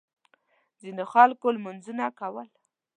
ځینو خلکو لمونځونه کول.